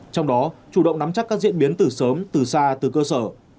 trong đó chủ động nắm chắc các diễn biến từ sớm từ xa từ cơ sở